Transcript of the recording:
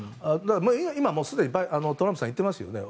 今、すでにトランプさん言っていますよね。